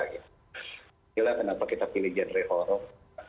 inilah kenapa kita pilih genre horror